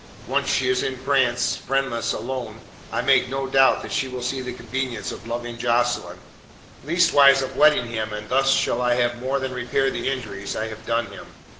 Once she is in France, friendless, alone, I make no doubt that she will see the convenience of loving Jocelyn leastways of wedding him and thus shall I have more than repaired the injuries I have done him."